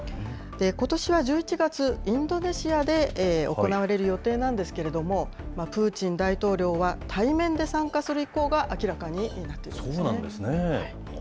ことしは１１月、インドネシアで行われる予定なんですけれども、プーチン大統領は対面で参加する意向が明らかになっていますね。